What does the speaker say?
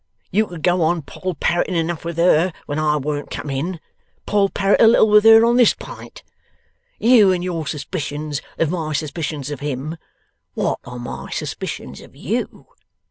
You could go on Poll Parroting enough with her, when I warn't come in: Poll Parrot a little with her on this pint. You and your suspicions of my suspicions of him! What are my suspicions of you?